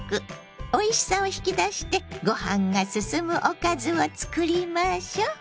おいしさを引き出してご飯がすすむおかずをつくりましょう。